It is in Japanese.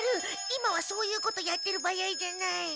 今はそういうことやってるバヤイじゃない。